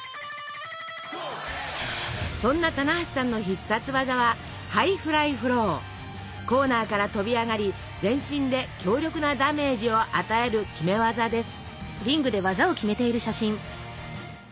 そんな棚橋さんの必殺技はコーナーから跳び上がり全身で強力なダメージを与える決め技です。